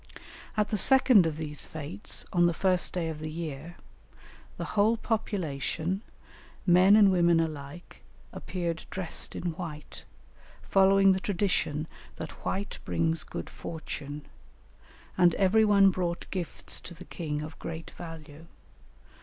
At the second of these fêtes, on the first day of the year, the whole population, men and women alike, appeared dressed in white, following the tradition that white brings good fortune, and every one brought gifts to the king of great value.